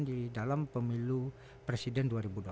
di dalam pemilu presiden dua ribu dua puluh